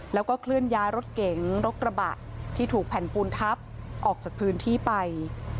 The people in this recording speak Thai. แล้วก็เคลื่อนย้ายรถเก๋งรถกระบะที่ถูกแผ่นปูนทับออกจากพื้นที่ไป